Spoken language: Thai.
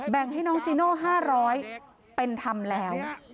งให้น้องจีโน่๕๐๐เป็นธรรมแล้ว